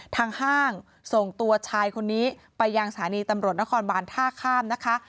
ห้างส่งตัวชายคนนี้ไปยังสถานีตำรวจนครบานท่าข้ามนะคะ